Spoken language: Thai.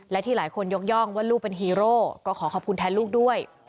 และที่หลายคนยกย่องว่าลูกเป็นฮีโร่ก็ขอขอบคุณแทนลูกด้วย